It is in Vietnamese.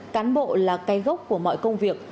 cán bộ là cây gốc của mọi công việc